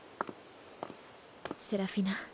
セラフィナ。